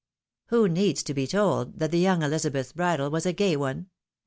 Who needs be told that the young Elizabeth's bridal was a gay one